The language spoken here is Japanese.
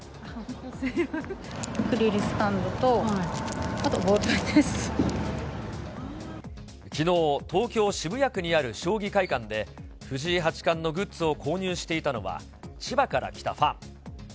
アクリルスタンドとあとボーきのう、東京・渋谷区にある将棋会館で藤井八冠のグッズを購入していたのは、千葉から来たファン。